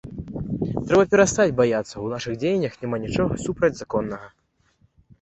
Трэба перастаць баяцца, у нашых дзеяннях няма нічога супрацьзаконнага.